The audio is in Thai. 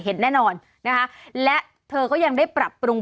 เห็นแน่นอนนะคะและเธอก็ยังได้ปรับปรุง